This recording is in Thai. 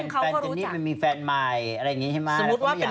ก็คือแฟนเจนนี่มันมีแฟนใหม่อะไรอย่างงี้ให้มาแล้วเขาไม่อยากยุ่ง